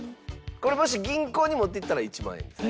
これもし銀行に持っていったら１万円です。